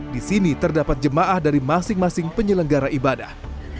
di sini terdapat jemaah dari masing masing penyelenggara ibadah